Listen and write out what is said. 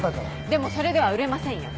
でもそれでは売れませんよ。